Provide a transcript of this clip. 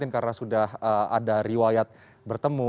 karena sudah ada riwayat bertemu